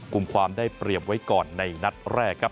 กลุ่มความได้เปรียบไว้ก่อนในนัดแรกครับ